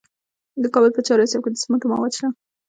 د کابل په چهار اسیاب کې د سمنټو مواد شته.